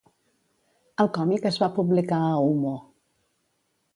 El còmic es va publicar a Humo.